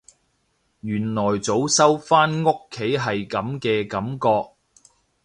原來早收返屋企係噉嘅感覺